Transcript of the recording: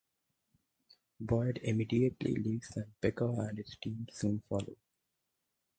Boyd immediately leaves and Picker and his team soon follow.